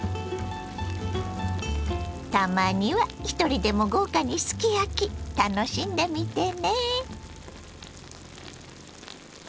たまにはひとりでも豪華にすき焼き楽しんでみてね！